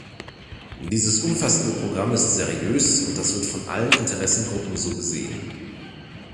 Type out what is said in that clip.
Dieses umfassende Programm ist seriös, und das wird von allen Interessengruppen so gesehen.